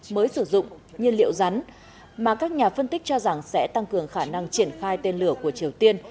mới sử dụng nhiên liệu rắn mà các nhà phân tích cho rằng sẽ tăng cường khả năng triển khai tên lửa của triều tiên